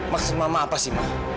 maksud mama apa sih